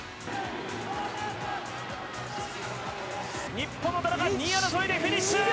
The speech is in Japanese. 日本の田中、２位争いでフィニッシュ！